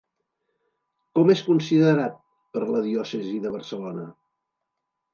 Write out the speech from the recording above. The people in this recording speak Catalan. Com és considerat per la diòcesi de Barcelona?